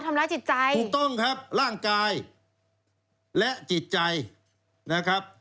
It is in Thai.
ทำร้ายจิตใจถูกต้องครับร่างกายและจิตใจนะครับ